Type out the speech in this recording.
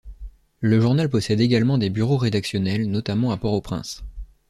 Le journal possède également des bureaux rédactionnels notamment à Port-au-Prince.